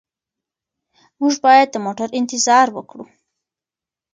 موږ باید د موټر انتظار وکړو.